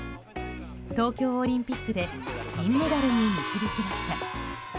東京オリンピックで銀メダルに導きました。